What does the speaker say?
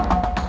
aku kasih tau